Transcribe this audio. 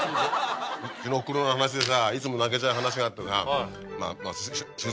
うちのお袋の話でさいつも泣けちゃう話があってさ。